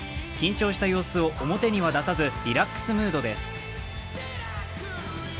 緊張した様子を表には出さずリラックスムードです。